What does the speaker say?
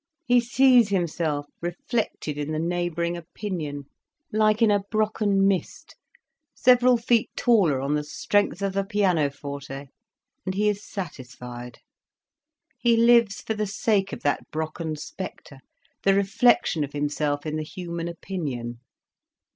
He sees himself reflected in the neighbouring opinion, like in a Brocken mist, several feet taller on the strength of the pianoforte, and he is satisfied. He lives for the sake of that Brocken spectre, the reflection of himself in the human opinion.